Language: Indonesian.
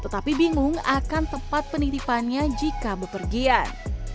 tetapi bingung akan tempat penitipannya jika bepergian